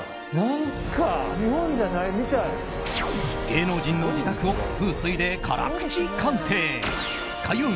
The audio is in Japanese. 芸能人の自宅を風水で辛口鑑定開運！